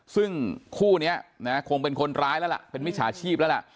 ซึ่งคู่นี้นะคงเป็นคนร้ายแล้วล่ะเป็นมิจฉาชีพแล้วล่ะ